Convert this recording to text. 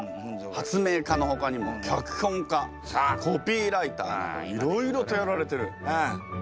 家のほかにも脚本家コピーライターなどいろいろとやられてる。